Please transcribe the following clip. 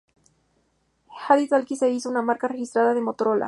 Handie-Talkie se hizo una marca registrada de Motorola, Inc.